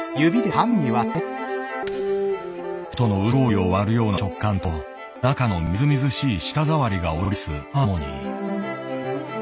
外の薄氷を割るような食感と中のみずみずしい舌触りが織りなすハーモニー。